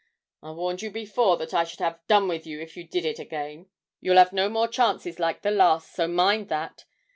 I warned you before that I should have done with you if you did it again: you'll 'ave no more chances like the last, so mind that.